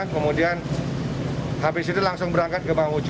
kemudian habis itu langsung berangkat ke mamuju